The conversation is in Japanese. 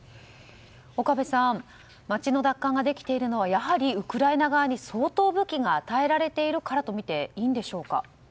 岡部さん街の奪還ができているのはやはり、ウクライナ側に相当の武器が与えられているからとみていいんでしょうか？